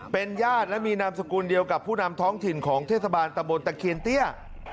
เป็นญาติและมีนามสกุลเดียวกับผู้นำท้องถิ่นของเทศบาลตะบนตะเคียนเตี้ย